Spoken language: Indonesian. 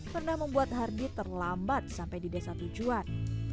pernah membuat hardy terlambat sampai di desa tujuan